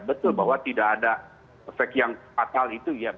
betul bahwa tidak ada efek yang fatal itu ya